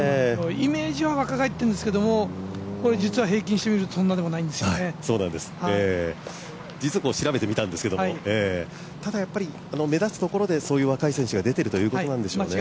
イメージは若返ってるんですけども実は平均してみるとそんなでもないんですよね。調べてみたんですけど目立つところでそういう若い選手が出ているということなんでしょうね。